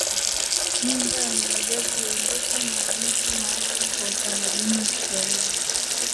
Nyumba ya Maajabu huendesha maonesho maalumu kwa Utamaduni wa Kiswahili